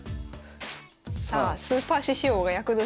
さあスーパー獅子王が躍動します。